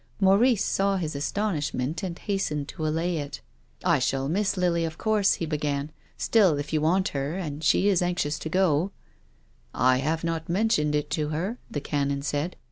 Maurice saw his astonishment and hastened to allay it. "I sliali miss Lily of course," he began. "Still, if you want her, and she is anxious to go —"" I have not mentioned it to her," the Canon said.